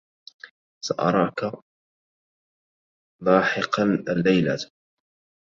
سأراك لاحقا اللّيلة.